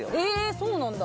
─そうなんだ。